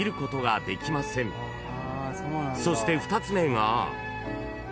［そして２つ目が］